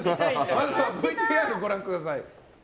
まずはＶＴＲご覧ください。